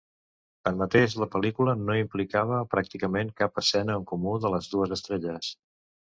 Tanmateix, la pel·lícula no implicava pràcticament cap escena en comú de les dues estrelles.